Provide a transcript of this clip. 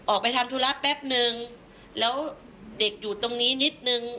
ออกไปทำธุระแป๊บนึงแล้วเด็กอยู่ตรงนี้นิดนึง